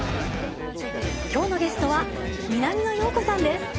今日のゲストは南野陽子さんです。